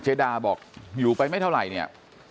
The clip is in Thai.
เฉดาบอกอยู่ไปไม่เท่าไรนี้